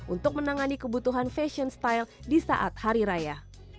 untuk menangani kebutuhan fashion style di saat hari raya